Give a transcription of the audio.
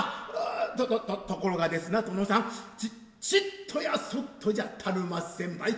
ととところがですが殿さんちっとやそっとじゃ足るまっせんばい。